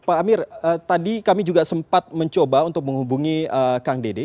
pak amir tadi kami juga sempat mencoba untuk menghubungi kang dede